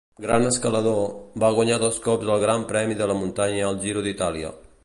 Gran escalador, va guanyar dos cops el Gran Premi de la muntanya al Giro d'Itàlia.